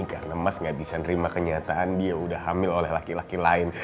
karena mas gak bisa nerima kenyataan dia udah hamil oleh laki laki lain